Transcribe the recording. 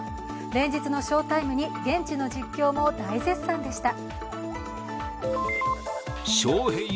連日の翔タイムに、現地の実況も大絶賛でした。